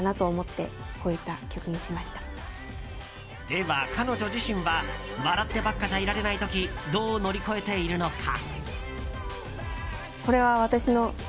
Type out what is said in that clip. では彼女自身は笑ってばっかじゃいられない時どう乗り越えているのか。